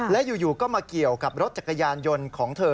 และอยู่ก็มาเกี่ยวกับรถจักรยานยนต์ของเธอ